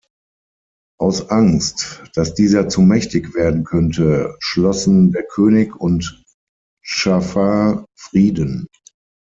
Aus Angst, dass dieser zu mächtig werden könnte, schlossen der König und Dschafar Frieden.